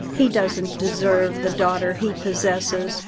He doesn't deserve the daughter he possesses.